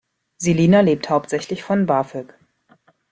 Selina lebt hauptsächlich von BAföG.